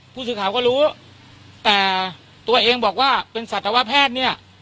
ผู้สื่อข่าวก็รู้แต่ตัวเองบอกว่าเป็นสัตวแพทย์เนี่ย